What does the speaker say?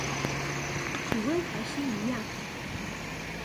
體溫還是一樣